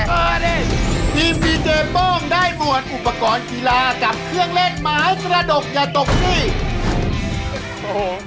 เบอร์เดชที่มีเจอโป้งได้หมวดอุปกรณ์กีฬากับเครื่องเล่นหมาสระดกอย่าตกซึ่ง